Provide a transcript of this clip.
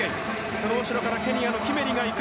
その後ろからケニアのキメリが行く。